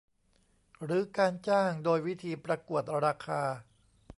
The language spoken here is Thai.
หรือการจ้างโดยวิธีประกวดราคา